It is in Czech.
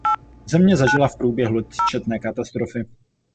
Země zažila v průběhu let četné katastrofy.